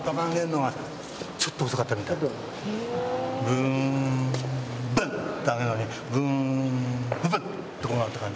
ブーンブンッ！って上げるのにブーンブブッとこうなった感じ。